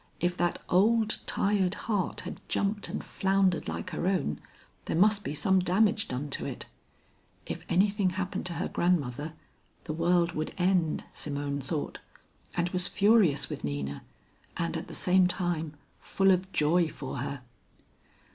If that old, tired heart had jumped and floundered like her own, there must be some damage done to it. If anything happened to her grandmother, the world would end, Simone thought, and was furious with Nina, and at the same time, full of joy for her.